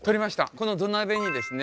この土鍋にですね